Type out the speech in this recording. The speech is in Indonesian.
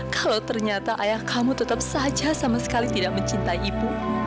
kalau ternyata ayah kamu tetap saja sama sekali tidak mencintai ibu